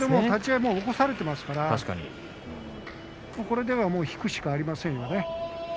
立ち合いで起こされていますからこれではもう引くしかありませんね。